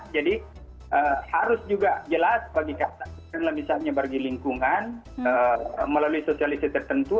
jadi harus juga jelas bagi kata misalnya bagi lingkungan melalui sosialisasi tertentu